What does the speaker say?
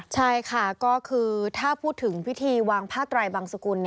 ใช่ค่ะก็คือถ้าพูดถึงพิธีวางผ้าไตรบังสกุล